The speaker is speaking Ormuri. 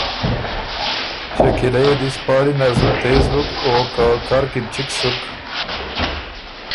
شکیلۀ يې دِس پاړی نر زُت تېز بُک او که کر کی بو چِک سُک۔